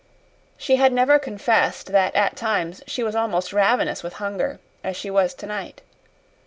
She had never confessed that at times she was almost ravenous with hunger, as she was tonight.